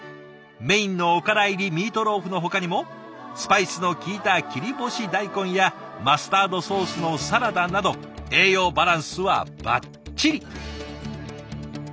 メインのおから入りミートローフのほかにもスパイスのきいた切り干し大根やマスタードソースのサラダなど栄養バランスはばっちり。